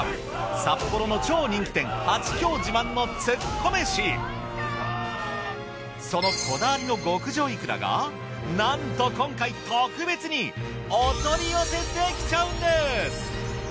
札幌の超人気店そのこだわりの極上いくらがなんと今回特別にお取り寄せできちゃうんです！